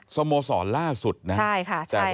สโมสรล่าสุดนะใช่ค่ะใช่ค่ะ